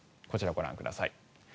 こちらご覧ください。